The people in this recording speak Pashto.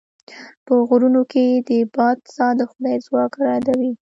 په غرونو کې د باد ساه د خدای ځواک رايادوي.